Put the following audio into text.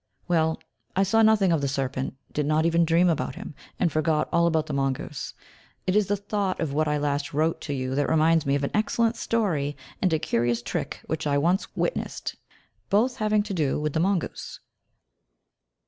Well, I saw nothing of the serpent, did not even dream about him, and forgot all about the mongoose. It is the thought of what I last wrote to you that reminds me of an excellent story, and a curious trick which I once witnessed, both having to do with the mongoose.